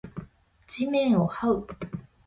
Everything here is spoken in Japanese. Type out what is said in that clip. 地面を這う